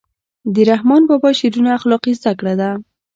د رحمان بابا شعرونه اخلاقي زده کړه ده.